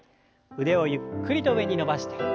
腕をゆっくりと上に伸ばして。